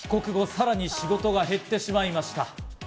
さらに仕事が減ってしまいました。